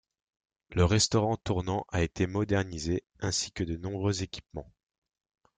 Le restaurant tournant a été modernisé, ainsi que de nombreux équipements.